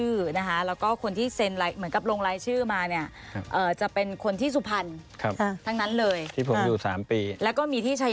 เอกสารนี้ต้องการบอกอะไรฮะ